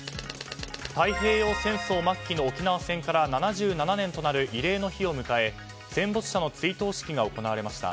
太平洋戦争末期の沖縄戦から７７年となる慰霊の日を迎え戦没者の追悼式が行われました。